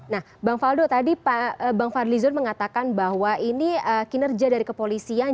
nah bang valdo tadi bang fadlizon mengatakan bahwa ini kinerja dari kepolisian